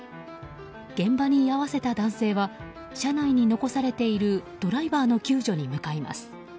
現場に居合わせた男性は車内に残されているドライバーの救助に向かいます。